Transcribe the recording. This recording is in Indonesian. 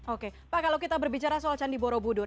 oke pak kalau kita berbicara soal candi borobudur